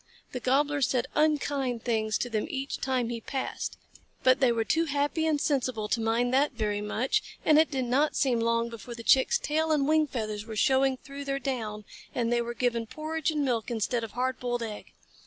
The Gobbler said unkind things to them each time he passed, but they were too happy and sensible to mind that very much, and it did not seem long before the Chicks' tail and wing feathers were showing through their down, and they were given porridge and milk instead of hard boiled egg.